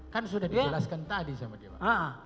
kan sudah dijelaskan tadi sama dia pak